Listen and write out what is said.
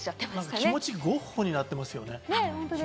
気持ち、ゴッホになってますね。